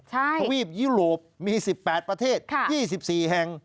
ทวีปยุโรปมี๑๘ประเทศ๒๔แห่ง